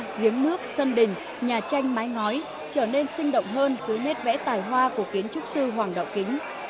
giếng nước sân đình nhà tranh mái ngói trở nên sinh động hơn dưới nét vẽ tài hoa của kiến trúc sư hoàng đạo kính